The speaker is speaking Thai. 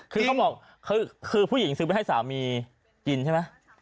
คือเขาบอกคือผู้หญิงซื้อไปให้สามีกินใช่ไหม